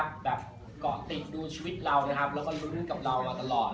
แบบเกาะติดดูชีวิตเรานะครับแล้วก็ลุ้นกับเรามาตลอด